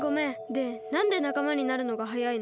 でなんでなかまになるのがはやいの？